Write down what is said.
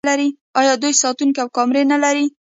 آیا دوی ساتونکي او کمرې نلري؟